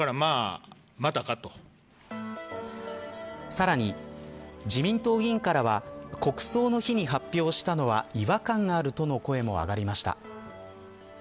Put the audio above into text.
さらに、自民党議員からは国葬の日に発表したのは違和感があるとの声も上がりました。